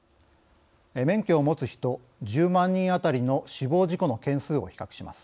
免許を持つ人１０万人当たりの死亡事故の件数を比較します。